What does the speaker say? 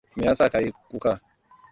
Me ya sa ka yi kuka?